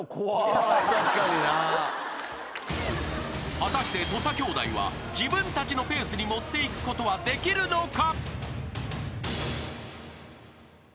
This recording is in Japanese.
［果たして土佐兄弟は自分たちのペースに持っていくことはできるのか？］